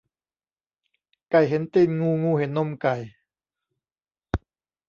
ไก่เห็นตีนงู งูเห็นนมไก่